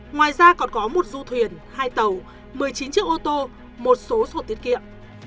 ngoài ra còn có một du thuyền hai tàu một mươi chín chiếc ô tô một số sổ tiết kiệm